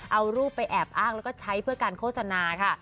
เอารูปไปแอบอ้างแล้วก็ใช้เพื่อการโฆษณาค่ะ